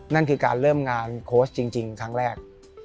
นั่นคือการเริ่มงานโค้ชจริงครั้งแรก